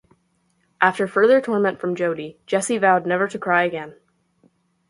After further torment from Jody, Jesse vowed never to cry again.